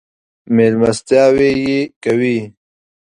مېلمستیاوې یې کوي.